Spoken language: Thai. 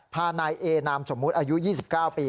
พานายเอนามสมมุติอายุ๒๙ปี